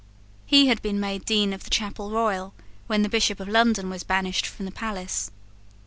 He had been made Dean of the Chapel Royal when the Bishop of London was banished from the palace.